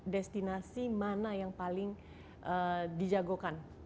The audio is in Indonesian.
destinasi mana yang paling dijagokan